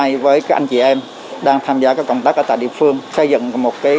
hôm nay với các anh chị em đang tham gia các công tác ở tại địa phương xây dựng một cái